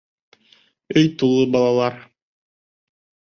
Өй тулы балалар...